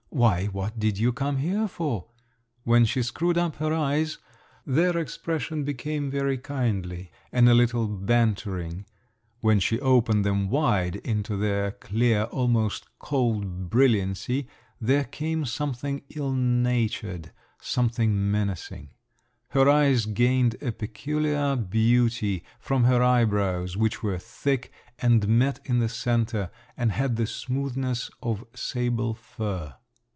"Why, what did you come here for?" (when she screwed up her eyes, their expression became very kindly and a little bantering, when she opened them wide, into their clear, almost cold brilliancy, there came something ill natured … something menacing. Her eyes gained a peculiar beauty from her eyebrows, which were thick, and met in the centre, and had the smoothness of sable fur).